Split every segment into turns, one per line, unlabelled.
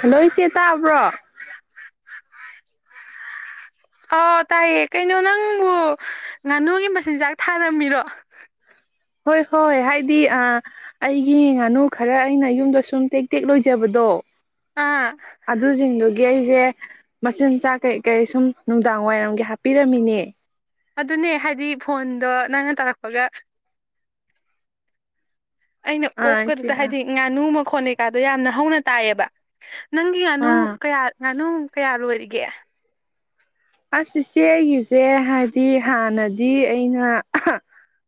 Hello ꯏꯆꯦꯇ ꯥꯕ꯭ꯔꯣ
ꯑꯥꯎ ꯇꯥꯏꯌꯦ ꯀꯩꯅꯣ ꯅꯪꯕꯨ ꯉꯥꯅꯨꯒꯤ ꯃꯆꯤꯟꯖꯥꯛ ꯊꯥꯔꯝꯃꯤꯔꯣ
ꯍꯣꯏ ꯍꯣꯏ ꯍꯥꯏꯗꯤ ꯑꯩꯒꯤ ꯉꯥꯅꯨ ꯈꯔ ꯑꯩꯅ ꯌꯨꯝꯗ ꯁꯨꯝ ꯇꯦꯛ ꯇꯦꯛ ꯂꯣꯏꯖꯕꯗꯣ
ꯑꯥ
ꯑꯗꯨꯁꯤꯡꯗꯨ ꯒꯤ ꯑꯩꯁꯦ ꯃꯆꯤꯟꯖꯥꯛ ꯀꯩ ꯀꯩ ꯁꯨꯝ ꯅꯨꯡꯗꯥꯡ ꯋꯥꯏꯔꯝꯒꯤ ꯍꯥꯞꯄꯤꯔꯝꯃꯤꯅꯦ
ꯑꯗꯨꯅꯦ ꯍꯥꯏꯗꯤ ꯐꯣꯟꯗꯣ ꯅꯪꯅ ꯇꯥꯔꯛꯄꯒ ꯑꯩꯅ ꯑꯣꯀ
ꯑꯥ
ꯀꯗꯨ
ꯏꯆꯦ ꯑꯥ
ꯍꯥꯏꯗꯤ ꯉꯅꯨꯃ ꯈꯣꯟꯅꯤꯀꯥꯗꯣ ꯌꯥꯝꯅ ꯍꯧꯅ ꯇꯥꯏꯌꯦꯕ ꯅꯪꯒꯤ ꯑꯥꯅꯨꯃꯨꯛ
ꯑꯥ
ꯀꯌꯥ ꯉꯥꯅꯨ ꯀꯌꯥ ꯂꯣꯏꯔꯤꯒꯦ
ꯑꯁ ꯏꯆꯦꯒꯤꯁꯦ ꯍꯥꯏꯗꯤ ꯍꯥꯟꯅꯗꯤ ꯑꯩꯅ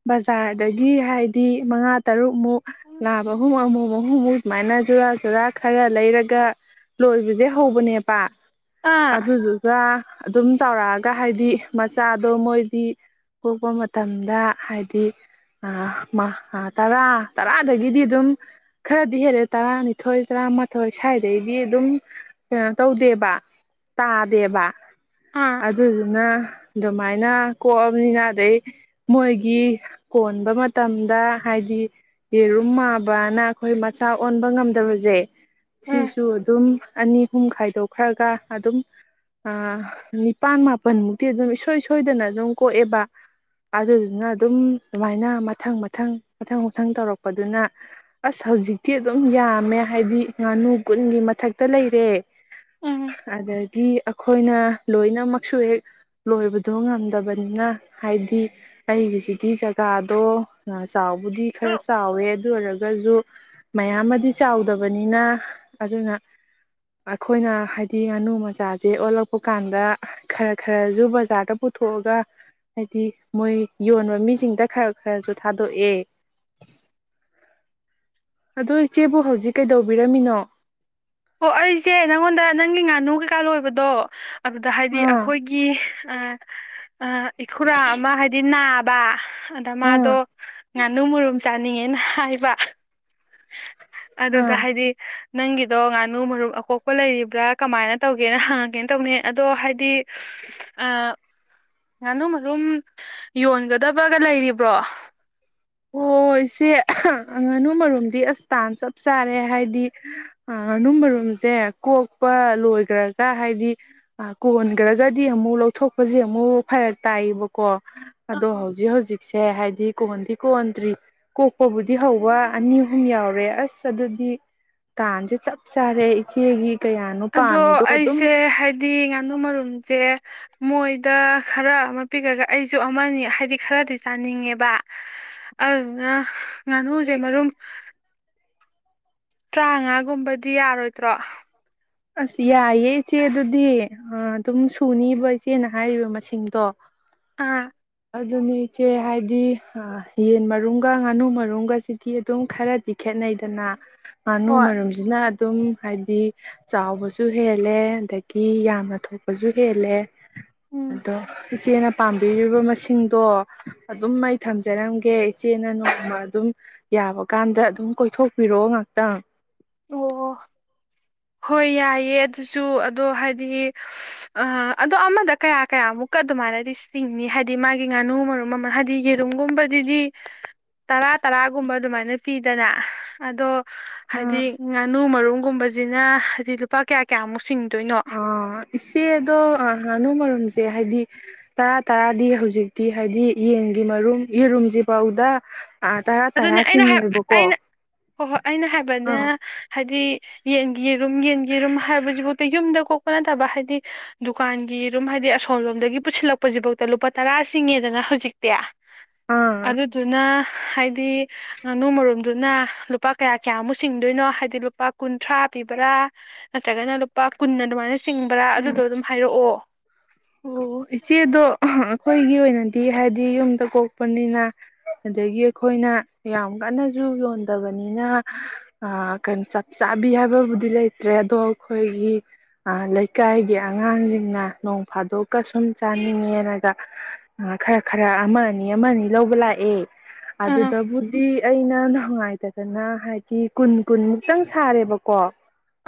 ꯕꯖꯥꯔꯗꯒꯤ ꯍꯥꯏꯗꯤ ꯃꯉꯥ ꯇꯔꯨꯛ ꯑꯃꯨꯛ ꯂꯥꯕꯒꯨꯝ ꯑꯃꯨꯛ ꯨꯨ ꯉꯥꯅꯨꯁꯦ ꯁꯨꯃꯥꯏꯅ ꯨꯔꯥ ꯆꯨꯔꯥ ꯈꯔ ꯂꯩꯔꯒ ꯂꯣꯏꯕꯁꯦ ꯍꯧꯕꯅꯦꯕ
ꯑꯥ
ꯑꯗꯨꯗꯨꯒ ꯑꯗꯨꯝ ꯆꯥꯎꯔꯛꯑꯒ ꯍꯥꯏꯗꯤ ꯃꯆꯥꯗꯣ ꯃꯣꯏꯗꯤ ꯀꯣꯛꯄ ꯃꯇꯝꯗ ꯍꯥꯏꯗꯤ ꯇꯔꯥ ꯇꯔꯥꯗꯒꯤꯗꯤ ꯑꯗꯨꯝ ꯈꯔꯗꯤ ꯍꯦꯜꯂꯦ ꯇꯔꯥꯅꯤꯊꯣꯏ ꯇꯔꯥꯃꯥꯊꯣꯏ ꯁ꯭ꯋꯥꯏꯗꯗꯒꯤꯗꯤ ꯑꯗꯨꯝ ꯀꯩꯅꯣ ꯇꯧꯗꯦꯕ ꯇꯥꯗꯦꯕ
ꯑꯥ
ꯑꯗꯨꯗꯨꯅ ꯑꯗꯨꯃꯥꯏꯅ ꯀꯣꯛꯑꯕꯅꯤꯅ ꯑꯗꯩ ꯃꯣꯏꯒꯤ ꯀꯣꯟꯕ ꯃꯇꯝꯗ ꯍꯥꯏꯗꯤ ꯌꯦꯔꯨꯝ ꯃꯥꯕꯅ ꯑꯩꯈꯣꯏ ꯃꯆꯥ ꯑꯣꯟꯕ ꯉꯝꯗꯕꯁꯦ
ꯎꯝ
ꯁꯤꯁꯨ ꯑꯗꯨꯝ ꯑꯅꯤ ꯑꯍꯨꯝ ꯈꯥꯏꯗꯣꯛꯈ꯭ꯔꯒ ꯑꯗꯨꯝ ꯅꯤꯄꯥꯟ ꯃꯥꯄꯜꯃꯨꯛꯇꯤ ꯑꯗꯨꯝ ꯏꯁꯣꯏ ꯁꯣꯏꯗꯅ ꯑꯗꯨꯝ ꯀꯣꯛꯑꯦꯕ ꯑꯗꯨꯗꯨꯅ ꯑꯗꯨꯝ ꯑꯗꯨꯃꯥꯏꯅ ꯃꯊꯪ ꯃꯊꯪ ꯃꯊꯪ ꯃꯊꯪ ꯇꯧꯔꯛꯄꯗꯨꯅ ꯑꯁ ꯍꯧꯖꯤꯛꯇꯤ ꯑꯗꯨꯝ ꯌꯥꯝꯃꯦ ꯍꯥꯏꯗꯤ ꯉꯥꯅꯨ ꯀꯨꯟꯒꯤ ꯃꯊꯛꯇ ꯂꯩꯔꯦ
ꯎꯝ
ꯑꯗꯒꯤ ꯒꯤ ꯑꯩꯈꯣꯏꯅ ꯂꯣꯏꯅꯃꯛꯁꯨ ꯍꯦꯛ ꯂꯣꯏꯕꯗꯣ ꯉꯝꯗꯕꯅꯤꯅ ꯍꯥꯏꯗꯤ ꯑꯩꯒꯤꯁꯤꯒꯤ ꯖꯒꯥꯗꯣ ꯆꯥꯎꯕꯨꯗꯤ ꯈꯔ ꯆꯥꯎꯋꯦ ꯑꯗꯨ ꯑꯣꯏꯔꯒ ꯖꯨ ꯃꯌꯥꯝ ꯑꯃꯗꯤ ꯆꯥꯎꯗꯕꯅꯤꯅ ꯑꯗꯨꯅ ꯑꯩꯈꯣꯏꯅ ꯍꯥꯏꯗꯤ ꯉꯥꯅꯨ ꯃꯆꯥꯁꯦ ꯑꯣꯜꯂꯛꯄ ꯀꯥꯟꯗ ꯈꯔ ꯈꯔꯁꯨ ꯕꯖꯥꯔꯗ ꯄꯨꯊꯣꯛꯑꯒ ꯍꯥꯏꯗꯤ ꯃꯣꯏ ꯌꯣꯟꯕ ꯃꯤꯁꯤꯡꯗ ꯈꯔ ꯈꯔꯁꯨ ꯊꯥꯗꯣꯛꯑꯦ ꯑꯗꯣ ꯏꯆꯦꯕꯨ ꯍꯧꯖꯤꯛ ꯀꯩꯗꯧꯕꯤꯔꯝꯃꯤꯅꯣ
ꯑꯣ ꯑꯩꯁꯦ ꯅꯪꯉꯣꯟꯗ ꯅꯪꯒꯤ ꯉꯥꯅꯨ ꯀꯩꯀꯥ ꯂꯣꯏꯕꯗꯣ ꯑꯗꯨꯗ ꯍꯥꯏꯗꯤ
ꯑꯥ
ꯑꯩꯈꯣꯏꯒꯤ ꯑ ꯑ ꯏꯈꯨꯔꯥ ꯑꯃ ꯍꯥꯏꯗꯤ ꯅꯥꯕ ꯕꯥ ꯑꯗ ꯃꯥꯗꯣ
ꯑꯥ
ꯉꯥꯅꯨ ꯃꯨꯔꯨꯝ ꯆꯥꯅꯤꯡꯉꯦꯅ ꯍꯥꯏꯕ ꯑꯗꯨꯗ
ꯑꯥ
ꯍꯥꯏꯗꯤ ꯅꯪꯒꯤꯗꯣ ꯉꯥꯅꯨ ꯃꯔꯨꯝ ꯑꯀꯣꯛꯄ ꯂꯩꯔꯤꯕ꯭ꯔꯥ ꯀꯃꯥꯏꯅ ꯇꯧꯒꯦꯅ ꯍꯪꯉꯛꯀꯦꯅ ꯇꯧꯅꯤ ꯑꯗꯣ ꯍꯥꯏꯗꯤ ꯉꯥꯅꯨ ꯃꯔꯨꯝ ꯌꯣꯟꯒꯗꯕꯒ ꯂꯩꯔꯤꯕ꯭ꯔꯣ
ꯑꯣ ꯏꯆꯦ ꯉꯥꯅꯨ ꯃꯔꯨꯝꯗꯤ ꯑꯁ ꯇꯥꯥꯟ ꯆꯞ ꯆꯥꯔꯦ ꯍꯥꯏꯗꯤ ꯉꯥꯅꯨ ꯃꯔꯣꯝꯁꯦ ꯀꯣꯛꯄ ꯂꯣꯏꯈꯒꯔꯒ ꯍꯥꯏꯗꯤ ꯀꯣꯟꯈ꯭ꯔꯒꯗꯤ ꯑꯃꯨꯛ ꯂꯧꯊꯣꯛꯄꯁꯦ ꯑꯃꯨꯛ ꯐꯔꯛ ꯇꯥꯏꯌꯦꯕꯀꯣ ꯑꯗꯣ ꯍꯧꯖꯤꯛ ꯍꯧꯖꯤꯛ ꯁꯦ ꯍꯥꯏꯗꯤ ꯀꯣꯟꯗꯤ ꯀꯟꯇ꯭ꯔꯤ ꯀꯣꯛꯄꯕꯨꯗꯤ ꯍꯧꯕ ꯑꯅꯤ ꯑꯍꯨꯝ ꯌꯥꯎꯔꯦ ꯑꯁ ꯑꯗꯨꯗꯤ ꯇꯥꯟꯁꯦ ꯆꯞ ꯆꯥꯔꯦ ꯏꯆꯦꯒꯤ ꯀꯌꯥꯅꯣ
ꯑꯗꯣ
ꯄꯥꯝꯃꯤꯗꯣ ꯑꯗꯨꯝ
ꯑꯩꯁꯦ ꯍꯥꯏꯗꯤ ꯉꯥꯅꯨ ꯃꯔꯨꯝꯁꯦ ꯃꯣꯏꯗ ꯈꯔ ꯑꯃ ꯄꯤꯈꯒ ꯑꯩꯁꯨ ꯑꯃꯅꯤ ꯍꯥꯏꯗꯤ ꯈꯔꯗꯤ ꯆꯥꯅꯤꯡꯉꯦꯕ ꯑꯗꯨꯅ ꯉꯥꯅꯨꯁꯦ ꯃꯔꯨꯝ ꯇꯔꯥꯃꯉꯥꯒꯨꯝꯕꯗꯤ ꯌꯥꯔꯣꯏꯗ꯭ꯔꯣ
ꯑꯁ ꯌꯥꯏꯌꯦ ꯏꯆꯦ ꯑꯗꯨꯗꯤ ꯑꯗꯨꯝ ꯁꯨꯅꯤꯕ ꯏꯆꯦꯅ ꯍꯥꯏꯔꯤꯕ ꯃꯁꯤꯡꯗꯣ
ꯑꯥ
ꯑꯗꯨꯅꯤ ꯏꯆꯦ ꯍꯥꯏꯗꯤ ꯌꯦꯟ ꯃꯔꯨꯝꯒ ꯉꯥꯅꯨ ꯃꯔꯨꯝꯒꯁꯤꯗꯤ ꯑꯗꯨꯝ ꯈꯔꯗꯤ ꯈꯦꯠꯅꯩꯗꯅ ꯀꯥꯅꯨ
ꯍꯣꯏ
ꯃꯔꯝꯁꯤꯅ ꯑꯗꯨꯝ ꯍꯥꯏꯗꯤ ꯆꯥꯎꯕꯁꯨ ꯍꯦꯜꯂꯦ ꯑꯗꯒꯤ ꯌꯥꯝꯅ ꯊꯣꯛꯄꯁꯨ ꯍꯦꯜꯂꯦ
ꯎꯝ
ꯑꯗꯣ ꯏꯆꯦꯅ ꯄꯥꯝꯕꯤꯔꯤꯕ ꯃꯁꯤꯡꯗꯣ ꯑꯗꯨꯝ ꯑꯩ ꯊꯝꯖꯔꯝꯒꯦ ꯏꯆꯦꯅ ꯅꯣꯡꯃ ꯑꯗꯨꯝ ꯌꯥꯕꯀꯥꯟꯗ ꯑꯗꯨꯝ ꯀꯣꯏꯊꯣꯛꯄꯤꯔꯛꯑꯣ ꯉꯍꯥꯛꯇꯪ
ꯑꯣ ꯍꯣꯏ ꯌꯥꯏꯌꯦꯦ ꯑꯗꯨꯁꯨ ꯑꯗꯣ ꯍꯥꯏꯗꯤ ꯑꯗꯣ ꯑꯃꯗ ꯀꯌꯥ ꯀꯌꯥꯃꯨꯛꯀ ꯑꯗꯨꯃꯥꯏꯅꯗꯤ ꯆꯤꯡꯅꯤ ꯍꯥꯏꯗꯤ ꯃꯥꯒꯤ ꯉꯥꯅꯨ ꯃꯔꯨꯝ ꯃꯃꯜ ꯍꯥꯏꯗꯤ ꯌꯦꯔꯨꯝꯒꯨꯝꯕꯗꯨꯗꯤ ꯇꯔꯥ ꯇꯔꯥꯒꯨꯝꯕ ꯑꯗꯨꯃꯥꯏꯅ ꯄꯤꯗꯅ ꯑꯗꯣ ꯍꯥꯏꯗꯤ ꯉꯥꯅꯨ ꯃꯔꯨꯝꯒꯨꯝꯕꯁꯤꯅ ꯍꯥꯏꯗꯤ ꯂꯨꯄꯥ ꯀꯌꯥ ꯀꯌꯥꯃꯨꯛꯁꯤꯡ
ꯑꯣ ꯑꯗꯣ ꯉꯥꯅꯨ ꯃꯔꯨꯝꯁꯦ ꯍꯥꯏꯗꯤ ꯇꯔꯥ ꯇꯔꯥꯗꯤ ꯍꯧꯖꯤꯛꯇꯤ ꯍꯥꯏꯕꯗꯤ ꯌꯦꯟꯒꯤ ꯃꯔꯨꯝ ꯌꯦꯔꯨꯝꯁꯤ ꯐꯥꯎꯗ
ꯑꯗꯨꯅꯦ ꯑꯩꯅ ꯑꯩꯅ ꯍꯣꯏ ꯍꯣꯏ ꯑꯩꯅ ꯍꯥꯏꯕꯅꯦ
ꯑꯥ
ꯍꯥꯏꯗꯤ ꯌꯦꯟꯒꯤꯔꯨꯝ ꯌꯦꯟꯒꯤꯔꯨꯝ ꯍꯥꯏꯕꯁꯤꯐꯧ ꯌꯨꯝꯗ ꯀꯣꯛꯄ ꯅꯠꯇꯕ ꯍꯥꯏꯗꯤ ꯗꯨꯀꯥꯟꯒꯤꯔꯨꯝ ꯍꯥꯏꯗꯤ ꯑꯁꯣꯝ ꯂꯣꯝꯗꯒꯤ ꯄꯨꯁꯤꯜꯂꯛꯄꯁꯤꯐꯧꯗ ꯂꯨꯄꯥ ꯇꯔꯥ ꯆꯁꯤꯡꯉꯦꯗꯅ ꯍꯧꯖꯤꯛꯇꯤ
ꯑꯥ
ꯑꯗꯨꯗꯨꯅ ꯍꯥꯏꯗꯤ ꯍꯥꯏꯗꯤ ꯉꯥꯅꯨ ꯃꯔꯨꯝꯗꯨꯅ ꯂꯨꯄꯥ ꯀꯌꯥ ꯀꯌꯥꯃꯨꯛ ꯆꯁꯤꯡꯗꯣꯏꯅꯣ ꯍꯥꯏꯗꯤ ꯂꯨꯄꯥ ꯀꯨꯟꯊ꯭ꯔꯥ ꯄꯤꯕ꯭ꯔꯥ ꯅꯠꯇ꯭ꯔꯒꯅ ꯂꯨꯄꯥ ꯀꯨꯟꯅ ꯑꯗꯨꯃꯥꯏꯅ ꯆꯤꯡꯕ꯭ꯔꯥ ꯑꯗꯨꯗꯣ ꯑꯗꯨꯝ ꯍꯥꯏꯔꯛꯑꯣ
ꯑꯣ ꯏꯆꯦꯗꯣ ꯑꯩꯈꯣꯏꯒꯤ ꯑꯣꯏꯅꯗꯤ ꯍꯥꯏꯗꯤ ꯌꯨꯝꯗ ꯀꯣꯛꯄꯅꯤꯅ ꯑꯗꯒꯤ ꯑꯩꯈꯣꯏꯅ ꯌꯥꯝ ꯀꯟꯅꯁꯨ ꯌꯣꯟꯗꯕꯅꯤꯅ ꯀꯩꯅꯣ ꯆꯞ ꯆꯥꯕꯤ ꯍꯥꯏꯕꯕꯨꯗꯤ ꯂꯩꯇ꯭ꯔꯦ ꯑꯗꯣ ꯑꯩꯈꯣꯏꯒꯤ ꯂꯩꯀꯥꯏꯒꯤ ꯑꯉꯥꯡꯁꯤꯡꯅ ꯐꯥꯗꯣꯛꯀ ꯁꯨꯝ ꯆꯥꯅꯤꯡꯉꯦꯅꯒ ꯈꯔ ꯈꯔ ꯑꯃ ꯑꯅꯤ ꯑꯃ ꯑꯅꯤ ꯂꯧꯕ ꯂꯥꯛꯑꯦ
ꯑꯥ
ꯑꯗꯨꯗꯕꯨꯗꯤ ꯑꯩꯅ ꯅꯨꯡꯉꯥꯏ ꯇꯇꯥꯗꯅ ꯍꯥꯏꯗꯤ ꯀꯨꯟ ꯀꯨꯟꯃꯨꯛꯇꯪ ꯁꯥꯔꯦꯕꯀꯣ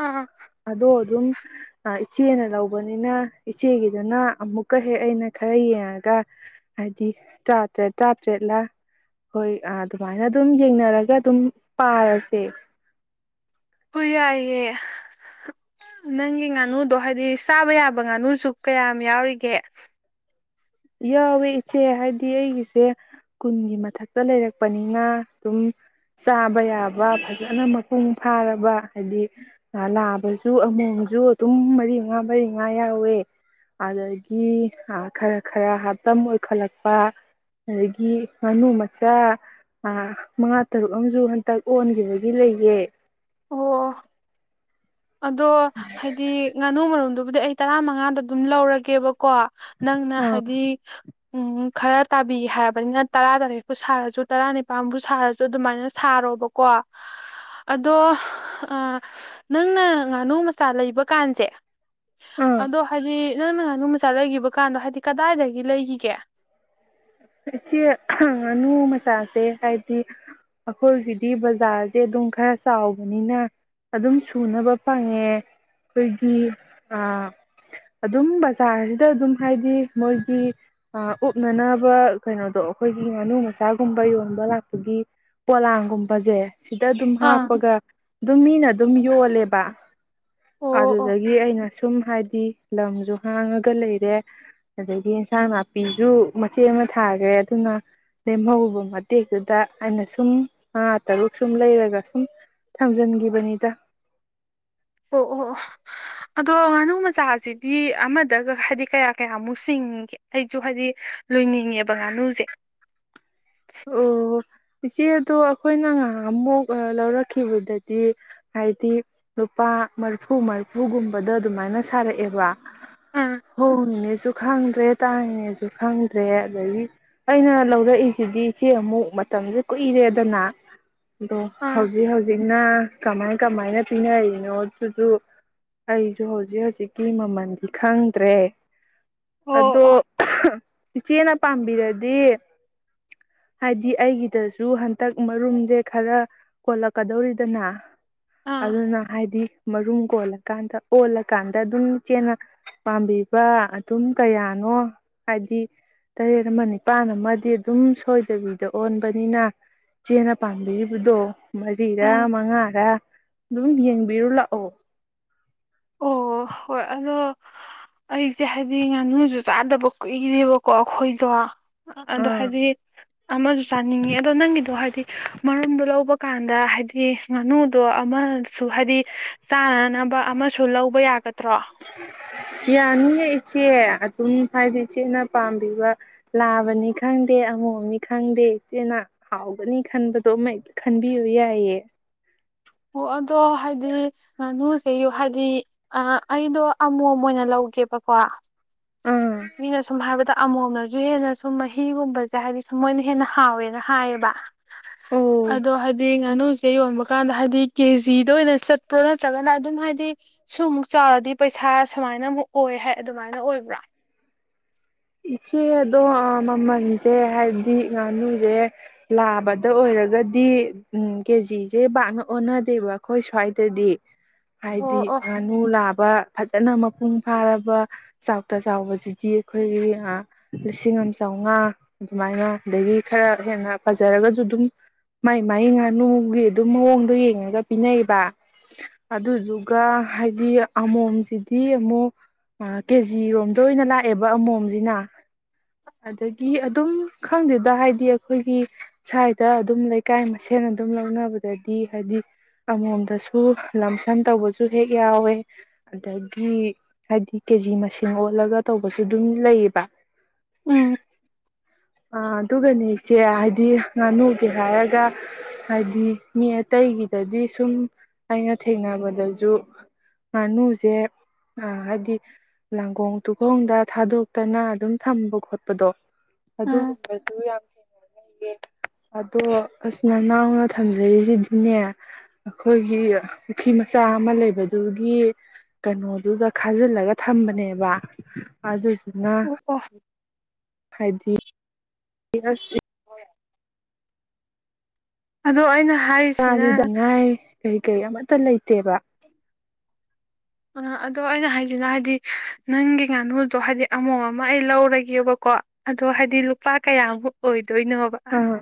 ꯑꯥ
ꯑꯗꯣ ꯑꯗꯨꯝ ꯆꯦꯅ ꯂꯧꯕꯅꯤꯅ ꯏꯆꯦꯒꯤꯗꯨꯅ ꯑꯃꯨꯛꯀ ꯍꯦꯛ ꯑꯩꯅ ꯈꯔ ꯌꯦꯡꯉꯒ ꯍꯥꯏꯗꯤ ꯇꯔꯥꯇꯔꯦꯠ ꯇꯔꯥꯇꯔꯦꯠꯂ ꯍꯣꯏ ꯑꯗꯨꯃꯥꯏꯅ ꯑꯗꯨꯝ ꯌꯦꯡꯅꯔꯒ ꯑꯗꯨꯝ ꯄꯥꯔꯁꯦ
ꯍꯣꯏ ꯌꯥꯏꯌꯦꯦ ꯅꯪꯒꯤ ꯉꯥꯅꯨꯗꯣ ꯍꯥꯏꯗꯤ ꯆꯥꯕ ꯌꯥꯕ ꯉꯥꯅꯨꯁꯨ ꯀꯌꯥꯝ ꯌꯥꯎꯔꯤꯒꯦ
ꯌꯥꯎꯋꯦ ꯏꯆꯦ ꯍꯥꯏꯗꯤ ꯑꯩꯒꯤꯁꯦ ꯀꯨꯟꯒꯤ ꯃꯊꯛꯇ ꯂꯩꯔꯛꯄꯅꯤꯅ ꯑꯗꯨꯝ ꯆꯥꯕ ꯌꯥꯕ ꯐꯖꯅ ꯃꯄꯨꯡ ꯐꯥꯔꯕ ꯍꯥꯏꯗꯤ ꯅꯥꯕꯁꯨ ꯑꯃꯣꯝꯁꯨ ꯑꯗꯨꯝ ꯃꯔꯤ ꯃꯉꯥ ꯃꯔꯤ ꯃꯉꯥ ꯌꯥꯎꯋꯦ ꯑꯗꯒꯤ ꯈꯔ ꯈꯔ ꯍꯥꯞꯇꯝ ꯑꯣꯏꯈꯠꯂꯛꯄ ꯑꯗꯒꯤ ꯉꯥꯅꯨ ꯃꯆꯥ ꯃꯉꯥ ꯇꯔꯨꯛ ꯑꯃꯁꯨ ꯍꯟꯇꯛ ꯑꯣꯟꯈꯤꯕꯒꯤ ꯂꯩꯌꯦꯦ
ꯑꯣ ꯑꯗꯣ ꯍꯥꯏꯗꯤ ꯉꯥꯅꯨ ꯃꯔꯣꯝꯗ ꯑꯗꯨꯗꯤ ꯑꯩ ꯇꯔꯥꯃꯉꯥꯗ ꯑꯗꯨꯝ ꯂꯧꯔꯒꯦꯕ ꯀꯣ ꯅꯪꯅ
ꯑꯥ
ꯍꯥꯏꯗꯤ ꯎꯝ ꯈꯔ ꯇꯥꯕꯤꯒꯦ ꯍꯥꯏꯔꯕꯅꯤꯅ ꯇꯔꯥꯇꯔꯦꯠꯄꯨ ꯁꯥꯔꯁꯨ ꯇꯔꯥꯅꯤꯄꯥꯥꯟꯕꯨ ꯁꯥꯔꯁꯨ ꯑꯗꯨꯃꯥꯏꯅ ꯁꯥꯔꯣꯕꯀꯣ ꯑꯗꯣ ꯅꯪꯅ ꯉꯥꯅꯨ ꯃꯆꯥ ꯂꯩꯕ ꯀꯥꯟꯁꯦ
ꯑꯥ
ꯑꯗꯣ ꯍꯥꯏꯗꯤ ꯅꯪꯅ ꯉꯥꯅꯨ ꯃꯆꯥ ꯂꯩꯈꯤꯕ ꯀꯥꯟꯗꯣ ꯍꯥꯏꯗꯤ ꯀꯗꯥꯏꯗꯒꯤ ꯂꯩꯒꯤꯒꯦ
ꯏꯆꯦ ꯉꯥꯅꯨ ꯃꯆꯥꯁꯦ ꯍꯥꯏꯗꯤ ꯑꯩꯈꯣꯏꯒꯤꯗꯤ ꯕꯖꯥꫪꯁꯦ ꯑꯗꯨꯝ ꯈꯔ ꯆꯥꯎꯕꯅꯤꯅ ꯑꯗꯨꯝ ꯁꯨꯅꯕ ꯐꯪꯉꯦ ꯑꯩꯈꯣꯏꯒꯤ ꯑ ꯑꯗꯨꯝ ꯕꯖꯥꫪꯁꯤꯗ ꯑꯗꯨꯝ ꯍꯥꯏꯗꯤ ꯃꯣꯏꯒꯤ ꯎꯞꯅꯅꯕ ꯀꯩꯅꯣꯗꯣ ꯑꯩꯈꯣꯏꯒꯤ ꯉꯥꯅꯨ ꯃꯆꯥꯒꯨꯝꯕ ꯌꯣꯟꯕ ꯂꯥꯛꯄꯒꯤ ꯄꯣꯂꯥꯡꯒꯨꯝꯕꯁꯦ ꯁꯤꯗ ꯑꯗꯨꯝ
ꯑꯥ
ꯍꯥꯞꯄꯒ ꯑꯗꯨꯝ ꯃꯤꯅ ꯑꯗꯨꯝ ꯌꯣꯜꯂꯦꯕ
ꯑꯣ ꯑꯣ
ꯑꯗꯨꯗꯒꯤ ꯑꯩꯅ ꯁꯨꯝ ꯍꯥꯏꯗꯤ ꯂꯝꯁꯨ ꯍꯥꯡꯉꯒ ꯂꯩꯔꯦ ꯑꯗꯒꯤ ꯑꯦꯟꯁꯥꯡ ꯅꯥꯄꯤꯁꯨ ꯃꯆꯦ ꯑꯃ ꯊꯥꯈ꯭ꯔꯦ ꯑꯗꯨꯅ ꯂꯦꯝꯍꯧꯕ ꯃꯇꯦꯛꯇꯨꯗ ꯑꯩꯅ ꯁꯨꯝ ꯃꯉꯥ ꯇꯔꯨꯛ ꯁꯨꯝ ꯂꯩꯔꯒ ꯁꯨꯝ ꯊꯝꯖꯤꯟꯈꯤꯕꯅꯤꯗ
ꯑꯣ ꯑꯣ ꯑꯣ ꯑꯗꯣ ꯉꯥꯅꯨ ꯃꯆꯥꯁꯤꯗꯤ ꯑꯃꯗꯒ ꯍꯥꯏꯗꯤ ꯀꯌꯥ ꯀꯌꯥꯃꯨꯛ ꯆꯁꯤꯡꯒꯦ ꯑꯩꯁꯨ ꯍꯥꯏꯗꯤ ꯂꯣꯏꯅꯤꯡꯉꯦꯕ ꯉꯥꯅꯨꯁꯦ
ꯑꯣ ꯏꯆꯦꯗꯣ ꯑꯩꯈꯣꯏꯅ ꯉꯥꯏꯍꯥꯛ ꯑꯃꯨꯛ ꯂꯧꯔꯛꯈꯤꯕꯗꯗꯤ ꯍꯥꯏꯗꯤ ꯂꯨꯄꯥ ꯃꯥꫪꯐꯨ ꯃꯥꫪꯐꯨꯒꯨꯝꯕꯗ ꯑꯗꯨꯃꯥꯏꯅ ꯁꯥꯔꯛꯑꯦꯕ
ꯑꯥ
ꯍꫭꯡꯅꯦꯁꯨ ꯈꯪꯗ꯭ꯔꯦ ꯇꯥꯡꯉꯤꯅꯦꯁꯨ ꯈꯪꯗ꯭ꯔꯦ ꯑꯗꯒꯤ ꯑꯩꯅ ꯂꯧꯔꯛꯏꯁꯤꯗꯤ ꯏꯆꯦ ꯑꯃꯨꯛ ꯃꯇꯝꯁꯦ ꯀꯨꯏꯔꯦꯗꯅ ꯑꯗꯣ
ꯑꯥ
ꯍꯧꯖꯤꯛ ꯍꯧꯖꯤꯛꯅ ꯀꯃꯥꯏ ꯀꯃꯥꯏꯅ ꯄꯤꯅꯔꯤꯅꯣ ꯑꯗꯨꯁꯨ ꯑꯩꯁꯨ ꯍꯧꯖꯤꯛ ꯍꯧꯖꯤꯛꯀꯤ ꯃꯃꯜꯗꯤ ꯈꯪꯗ꯭ꯔꯦ
ꯑꯣ ꯑꯣ
ꯑꯗꯣ ꯏꯆꯦꯅ ꯄꯥꯝꯕꯤꯔꯗꯤ ꯍꯥꯏꯗꯤ ꯑꯩꯒꯤꯗꯁꯨ ꯍꯟꯇꯛ ꯃꯔꯨꯝꯁꯦ ꯈꯔ ꯀꯣꯜꯂꯛꯀꯗꯧꯔꯤꯗꯅ
ꯑꯥ
ꯑꯗꯨꯅ ꯍꯥꯏꯗꯤ ꯃꯔꯨꯝ ꯀꯣꯜꯂꯀꯥꯟꯗ ꯑꯣꯜꯂꯀꯥꯟꯗ ꯑꯗꯨꯝ ꯏꯆꯦꯅ ꯄꯥꯝꯕꯤꯕ ꯑꯗꯨꯝ ꯀꯌꯥꯅꯣ ꯍꯥꯏꯗꯤ ꯇꯔꯦꯠ ꯑꯃ ꯅꯤꯄꯥꯟ ꯑꯃꯗꯤ ꯑꯗꯨꯝ ꯁꯣꯏ [unintelligible] ꯑꯣꯟꯕꯅꯤꯅ ꯆꯦꯅ ꯄꯥꯝꯕꯤꯔꯤꯕꯗꯣ ꯃꯔꯤꯔꯥ
ꯑꯥ
ꯃꯉꯥꯔꯥ ꯑꯗꯨꯝ ꯌꯦꯡꯕꯤꯔꯨ ꯂꯥꯛꯑꯣ
ꯑꯣ ꯍꯣꯏ ꯑꯗꯣ ꯑꯩꯁꯦ ꯍꯥꯏꯗꯤ ꯉꯥꯅꯨꯁꯨ ꯆꯥꯗꯕ ꯀꯨꯏꯔꯦꯕꯀꯣ ꯑꯩꯈꯣꯏꯗꯣ ꯑꯗꯣ
ꯑꯥ
ꯍꯥꯏꯗꯤ ꯑꯃꯁꯨ ꯆꯥꯅꯤꯡꯉꯤ ꯑꯗꯣ ꯅꯪꯒꯤꯗꯣ ꯍꯥꯏꯗꯤ ꯃꯔꯨꯝꯗꯣ ꯂꯧꯕ ꯀꯥꯟꯗ ꯍꯥꯏꯗꯤ ꯉꯥꯅꯨꯗꯣ ꯑꯃꯁꯨ ꯍꯥꯏꯗꯤ ꯆꯥꯅꯅꯕ ꯁꯨ ꯂꯧꯕ ꯌꯥꯒꯗ꯭ꯔꯣ
ꯌꯥꯅꯤꯌꯦ ꯏꯆꯦ ꯑꯗꯨꯝ ꯍꯥꯏꯗꯤ ꯏꯆꯦꯅ ꯄꯥꯝꯕꯤꯕ ꯂꯥꯕꯅꯤ ꯈꯪꯗꯦ ꯑꯉꯣꯝꯅꯤ ꯈꯪꯗꯦ ꯏꯆꯦꯅ ꯍꯥꯎꯒꯅꯤ ꯈꯟꯕꯗꯣ ꯑꯃ ꯈꯟꯕꯤꯌꯨ ꯌꯥꯏꯌꯦ
ꯑꯣ ꯑꯗꯣ ꯍꯥꯏꯗꯤ ꯉꯥꯅꯨ [unintelligible] ꯍꯥꯏꯗꯤ ꯑꯩꯗꯣ ꯑꯃꯣꯝ ꯑꯣꯏꯅ ꯂꯧꯒꯦꯕꯀꯣ
ꯑꯥ
ꯃꯤꯅ ꯁꯨꯝ ꯍꯥꯏꯕꯗ ꯑꯃꯣꯝꯅ ꯅꯁꯨ ꯍꯦꯟꯅ ꯁꯨꯝ ꯃꯍꯤꯒꯨꯝꯕꯁꯦ ꯍꯥꯏꯗꯤ ꯁꯨꯝ ꯃꯣꯏꯅ ꯍꯦꯟꯅ ꯍꯥꯎꯋꯦꯅ ꯍꯥꯏꯌꯦꯕ
ꯑꯣ
ꯑꯗꯣ ꯍꯥꯏꯗꯤ ꯉꯅꯨ ꯁꯦ ꯌꯣꯟꯕ ꯀꯥꯟꯗ ꯍꯥꯏ ꯗꯤ ꯀꯦꯖꯤꯗ ꯑꫭꯏꯅ ꯆꯠꯄ꯭ꯔꯣ ꯅꯠꯇ꯭ꯔꯒꯅ ꯑꯗꯨꯝ ꯍꯥꯏꯗꯤ ꯁꯨ ꯃꯨꯛ ꯆꯥꯎꯔꯗꯤ ꯄꯩꯁꯥ ꯁꯨꯃꯥꯏꯅ ꯑꯃꯨꯛ ꯑꯣꯏ ꯍꯥꯏ ꯑꯗꯨꯃꯥꯏꯅ ꯑꯣꯏꯕ꯭ꯔꫭ
ꯏꯆꯦ ꯑꯗꯣ ꯃꯃꯜꯁꯦ ꯍꯥꯏꯕꯗꯤ ꯉꯥꯅꯨꯁꯦ ꯂꯥꯕꯗ ꯑꯣꯏꯔꯒꯗꯤ ꯎꯨꯝ ꯀꯦꯖꯤꯁꯦ ꯄꯥꯛꯅ ꯑꯣꯟꯅꯗꯦꯕ ꯑꯩꯈꯣꯏ ꯁ꯭ꯋꯥꯏ ꯇꯗꯤ ꯍ
ꯑꯣ
ꯍꯥꯏꯗꯤ
ꯑꯣ
ꯉꯥꯅꯨ ꯂꯥꯕ ꯐꯖꯅ ꯃꯄꯨꯡ ꯐꯥꯔꯕ ꯆꯥꯎꯇ ꯆꯥꯎꯕꯁꯤꯗꯤ ꯑꯩꯈꯣꯏꯒꯤ ꯑꯥ ꯂꯤꯁꯤꯡ ꯑꯃ ꯆꯥꯝꯃꯉꯥ ꯑꯗꯨꯃꯥꯏꯅ ꯑꯗꯒꯤ ꯈꯔ ꯍꯦꯟꯅ ꯐꯖꯔꯒꯁꯨ ꯑꯗꯨꯝ ꯃꯥꯏ ꯃꯥꯏ ꯉꯥꯅꯨꯒꯤ ꯑꯗꯨꯝ ꯃꯑꯣꯡꯗꯣ ꯌꯦꯡꯉꯒ ꯄꯤꯅꯩꯕ ꯑꯗꯨꯗꯨꯒ ꯍꯥꯏꯗꯤ ꯑꯃꯣꯝꯁꯤꯗꯤ ꯑꯃꯨꯛ ꯀꯦꯖꯤꯔꯣꯝꯗ ꯑꯣꯏꯅ ꯂꯥꯛꯑꯦꯕ ꯑꯃꯣꯝꯁꯤꯅ ꯑꯗꯒꯤ ꯑꯗꯨꯝ ꯈꯪꯗꯦꯗ ꯍꯥꯏꯗꯤ ꯑꯩꯈꯣꯏꯒꯤ ꯁ꯭ꯋꯥꯏꯗ ꯑꯗꯨꯝ ꯂꯩꯀꯥꯏ ꯃꯁꯦꯟ ꯑꯗꯨꯝ ꯂꯧꯅꯕꯗꯗꯤ ꯍꯥꯏꯗꯤ ꯑꯃꯣꯝꯗꯣ ꯁꯣ ꯁꯨ ꯂꯝ-ꯁꯟ ꯇꯧꯕꯁꯨ ꯍꯦꯛ ꯌꯥꯎꯋꯦ ꯑꯗꯒꯤ ꯍꯥꯏꯗꯤ ꯀꯦ ꯖꯤ ꯃꯁꯤꯡ ꯑꯣꯜꯂꯒ ꯇꯧꯕꯁꯨ ꯑꯗꯨꯝ ꯂꯩꯌꯦꯕ
ꯎꯝ
ꯐꯤꯌ ꯑꯗꯨꯒꯅꯦ ꯏꯆꯦ ꯍꯥꯏꯗꯤ ꯉꯥꯅꯨꯗꯤ ꯍꯥꯏꯔꯒ ꯍꯥꯏꯗꯤ ꯃꯤ ꯑꯇꯩꯒꯤꯗꯗꯤ ꯁꯨꯝ ꯑꯩꯅ ꯊꯦꯡꯅꯕꯗꯁꯨ ꯉꯥꯅꯨꯁꯦ ꯍꯥꯏꯕꯗꯤ ꯂꯥꯡꯒꯣꯡ ꯇꯨꯒꯣꯡꯗ ꯊꯥꯗꯣꯛꯇꯅ ꯑꯗꯨꯝ ꯊꯝꯕ ꯈꯣꯠꯄꯗꯣ
ꯑꯥ
ꯑꯗꯨꯒꯨꯝꯕꯁꯨ ꯌꯥꯝꯅ ꯑꯗꯣ ꯑꯁ ꯅꯅꯥꯎꯅ ꯊꯝꯖꯔꯤꯁꯤꯗꯤꯅꯦ ꯑꯩꯈꯣꯏꯒꯤ ꯄꯨꯈ꯭ꯔꯤ ꯃꯆꯥ ꯑꯃ ꯂꯩꯕꯗꯨꯒꯤ ꯀꯩꯅꯣꯗꯨꯗ ꯈꯥꯖꯤꯜꯂꯒ ꯊꯝꯕꯅꯦꯕ ꯑꯗꯨ ꯗꯨꯅ
ꯑꯣ ꯑꯣ
ꯍꯥꯏꯗꯤ ꯌꯦꯡꯉꯁꯤ
ꯑꯗꯣ ꯑꯩꯅ ꯍ
ꯋꯥꯅꯤꯗꯉꯥꯏ ꯍꯧꯖꯤꯛ ꯀꯩ ꯑꯃꯠꯇ ꯂꯩꯇꯦꯕ
ꯑ ꯑꯗꯣ ꯑꯩꯅ ꯍꯥꯏꯁꯤꯅ ꯍꯥꯏꯗꯤ ꯅꯪꯒꯤ ꯉꯥꯅꯨꯗꯣ ꯍꯥꯏꯗꯤ ꯑꯃꯣꯝ ꯑꯃ ꯑꯩ ꯂꯧꯔꯒꯦꯕꯀꯣ ꯑꯗꯣ ꯍꯥꯏꯗꯤ ꯂꯨꯄꯥ ꯀꯌꯥꯃꯨꯛ ꯑꯣꯏ ꯗꯣꯏꯅꯣꯕ
ꯑꯥ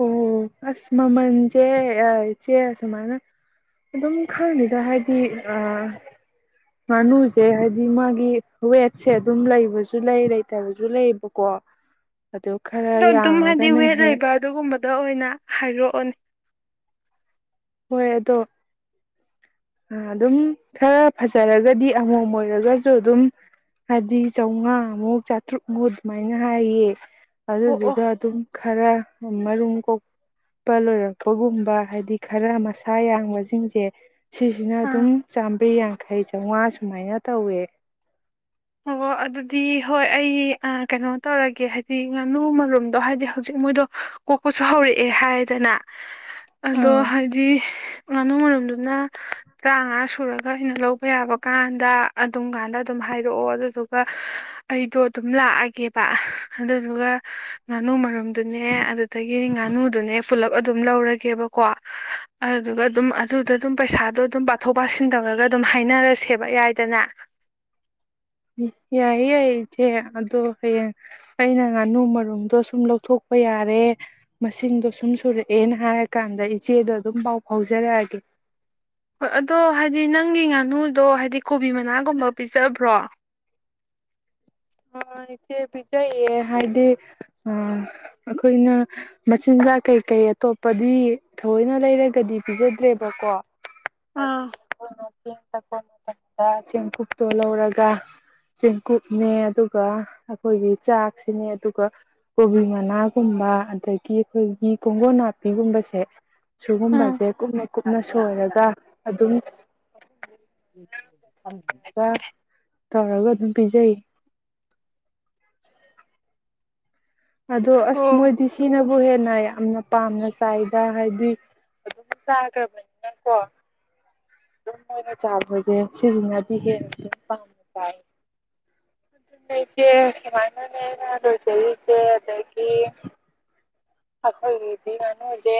ꯑꯣ ꯑꯁ ꯃꯃꯜꯁꯦ ꯏꯆꯦ ꯁꯨꯃꯥꯏꯅ ꯑꯗꯨꯝ ꯈꯪꯗꯦꯗ ꯍꯥꯏꯗꯤ ꯑꯥ ꯉꯥꯅꯨꯁꯦ ꯍꯥꯏꯕꯗꯤ ꯃꯥꯒꯤ ꯔꯦꯠꯁꯦ ꯑꯗꯨꯝ ꯂꯩꯕꯁꯨ ꯂꯩ ꯂꯩꯇꯕꯁꯨ ꯂꯩꯕꯀꯣ ꯑꯗꯨ ꯈꯔ ꯌꯥꯡꯉ
ꯗꯤ ꯋꯦꯠ ꯂꯩꯕ ꯑꯗꯨꯒꯨꯝꯕꯗ ꯑꯣꯏꯅ ꯍꯥꯏꯔꯛꯑꯣꯅꯦ
ꯍꯣꯏ ꯑꯗꯣ ꯑꯗꯨꯝ ꯈꯔ ꯐꯖꯔꯒꯗꯤ ꯑꯃꯣꯝ ꯑꯣꯏꯔꯒꯁꯨ ꯑꯗꯨꯝ ꯍꯥꯏꯗꯤ ꯆꯥꯎꯉꯥꯃꯨꯛ ꯆꯥꯇ꯭ꯔꯨꯛꯃꯨꯛ ꯑꯗꯨꯃꯥꯏꯅ ꯍꯥꯏꯌꯦ
ꯑꯣ ꯑꯣ
ꯑꯗꯨꯗꯨꯒ ꯑꯗꯨꯝ ꯈꯔ ꯃꯔꯨꯝ ꯀꯣꯛ ꯄ ꯂꯣꯏꯔꯛꯄꯒꯨꯝꯕ ꯍꯥꯏꯗꯤ ꯈꯔ ꯃꯁꯥ ꯌꯥꯡꯕꯁꯤꯡꯁꯦ ꯁꯤꯁꯤꯅ
ꯑꯥ
ꯑꯗꯨꯝ ꯆꯥꯝꯃ꯭ꯔꯤ ꯌꯥꯡꯈꯩ ꯆꯥꯎꯉꯥ ꯁꯨꯃꯥꯏꯅ ꯇꯧꯋꯦ
ꯑꯣ ꯑꯗꯨꯗꯤ ꯍꯣꯏ ꯑꯩ ꯑꯥ ꯀꯩꯅꯣ ꯇꯧꯔꯒꯦ ꯍꯥꯏꯗꯤ ꯉꯥꯅꯨ ꯃꯔꯨꯝꯗꯣ ꯍꯥꯏꯗꯤ ꯍꯧꯖꯤꯛ ꯃꯣꯏꯗꯣ ꯀꯣꯛꯄꯁꯨ ꯍꯧꯔꯛꯑꯦ ꯍꯥꯏꯗꯅ ꯑꯗꯣ
ꯑꯥ
ꯍꯥꯏꯗꯤ ꯉꯥꯅꯨ ꯃꯔꯨꯝꯗꯨꯅ ꯇꯔꯥꯉꯥ ꯁꯨꯔꯒ ꯑꯩꯅ ꯂꯧꯕ ꯌꯥꯕ ꯀꯥꯟꯗ ꯑꯗꯨꯝ ꯀꯥꯟꯗ ꯑꯗꯨꯝ ꯍꯥꯏ ꯔꯛꯑꯣ ꯑꯗꯨꯗꯨꯒ ꯑꯩꯗꯣ ꯑꯗꯨꯝ ꯂꯥꯛꯑꯒꯦꯕ ꯑꯗꯨꯗꯨꯒ ꯉꯥꯅꯨ ꯃꯔꯨꯝꯗꯨꯅꯦ ꯑꯗꯨꯗꯒꯤ ꯉꯥꯅꯨꯗꯨꯅꯦ ꯄꯨꯂꯞ ꯑꯗꯨꯝ ꯂꯧꯔꯒꯦꯕꯀꯣ ꯑꯗꯨꯗꯨꯒ ꯑꯗꯨꯝ ꯑꯗꯨꯗꯨ ꯑꯗꯨꯝ ꯄꯩꯁꯥꯗꯣ ꯑꯗꯨꯝ ꯄꯥꯊꯣꯛ ꯄꯥꯁꯤꯟ ꯇꯧꯔꯒ ꯑꯗꯨꯝ ꯍꯥꯏꯅꯔꯁꯦꯕ ꯌꯥꯏꯗꯅ
ꯎꯝ ꯌꯥꯏꯌꯦ ꯌꯥꯏꯌꯦ ꯏꯆꯦ ꯑꯗꯣ ꯍꯌꯦꯡ ꯑꯩꯅ ꯉꯥꯅꯨ ꯃꯔꯨꯝꯗꯣ ꯁꯨꯝ ꯂꯧꯊꯣꯛꯄ ꯌꯥꯔꯦ ꯃꯁꯤꯡꯗꯣ ꯁꯨꯝ ꯁꯨꯔꯛꯑꯦꯅ ꯍꯥꯏꯔꯀꯥꯟꯗ ꯏꯆꯦꯗꯣ ꯑꯗꯨꯝ ꯄꯥꯎ ꯐꯥꯎꯖꯔꯛꯑꯒꯦ
ꯍꯣꯏ ꯑꯗꯣ ꯍꯥꯏꯗꯤ ꯅꯪꯒꯤ ꯉꯥꯅꯨꯗꯣ ꯍꯥꯏꯗꯤ ꯀꯣꯕꯤ ꯃꯅꯥꯒꯨꯝꯕ ꯄꯤꯖꯕ꯭ꯔꯣ
ꯑꯥ ꯏꯆꯦ ꯄꯤꯖꯩꯌꯦ ꯍꯥꯏꯗꯤ ꯑꯩꯈꯣꯏꯅ ꯃꯆꯤꯟꯖꯥꯛ ꯀꯩ-ꯀꯩ ꯑꯇꯣꯞꯄꯗꯤ ꯊꯑꯣꯏꯅ ꯂꯩꯔꯒꯗꯤ ꯄꯤꯖꯗ꯭ꯔꯦꯕꯀꯣ ꯍꯥꯏꯁꯤ
ꯑꯥ
ꯑꯈꯣꯏꯅ ꯆꯦꯡ ꯊꯛꯄ ꯃꯇꯝꯗ ꯆꯦꯡꯀꯨꯞꯇꯣ ꯂꯧꯔꯒ ꯆꯦꯡꯀꯨꯞꯅꯦ ꯑꯗꯨꯒ ꯑꯩꯈꯣꯏꯒꯤ ꯆꯥꯛꯁꯤꯅꯦ ꯑꯗꯨꯒ ꯀꯣꯕꯤ ꯉꯅꯥꯒꯨꯝꯕ ꯑꯗꯒꯤ ꯑꯩꯈꯣꯏꯒꯤ ꯀꯣꯡꯒꯣꯟ ꯅꯥꯄꯤꯒꯨꯝꯕꯁꯦ
ꯎꯝ
ꯁꯤꯨꯒꯨꯝꯕꯁꯦ ꯀꯨꯞꯅ- ꯀꯨꯞꯅ ꯁꯣꯏꯔꯒ ꯑꯗꯨꯝ
[inaudible]
ꯇꯧꯔꯒ ꯑꯗꯨꯝ ꯄꯤꯖꯩ꯫ ꯑꯗꯣ ꯑꯁ
ꯍꯣ
ꯃꯣꯏꯗꯤ ꯁꯤꯅ ꯕꯨ ꯍꯦꯟꯅ ꯌꯥꯝꯅ ꯄꯥꯝꯅ ꯆꯥꯏꯗ ꯍꯥꯏꯗꯤ ꯑꯗꯨꯝ ꯆꯥꯈ꯭ꯔꯕꯅꯤꯅꯀꯣ ꯑꯗꯨꯝꯣꯏ ꯃꯣꯏꯅ ꯆꯥꯕꯁꯦ ꯁꯤꯁꯤꯅꯗꯤ ꯍꯦꯟꯅ ꯑꯗꯨꯝ ꯄꯥꯝꯅ ꯆꯥꯏ ꯑꯗꯨ ꯏꯆꯦ ꯁꯨꯃꯥꯏꯅꯅꯦ ꯂꯣꯏꯖꯔꯤꯁꯦ ꯑꯗꯒꯤ ꯑꯩꯈꯣꯏꯒꯤꯗꯤ ꯉꯥꯅꯨꯁꯦ